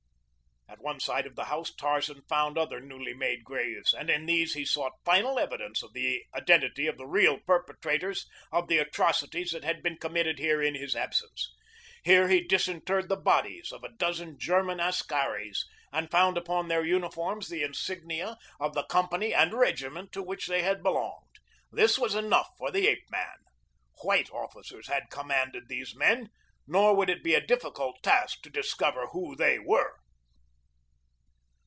At one side of the house Tarzan found other newly made graves and in these he sought final evidence of the identity of the real perpetrators of the atrocities that had been committed there in his absence. Here he disinterred the bodies of a dozen German askaris and found upon their uniforms the insignia of the company and regiment to which they had belonged. This was enough for the ape man. White officers had commanded these men, nor would it be a difficult task to discover who they were.